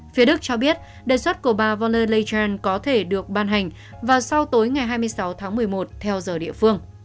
phía đức cho biết đề xuất của bà voner ley ghen có thể được ban hành vào sau tối ngày hai mươi sáu tháng một mươi một theo giờ địa phương